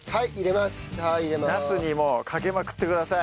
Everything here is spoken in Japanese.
ナスにもうかけまくってください。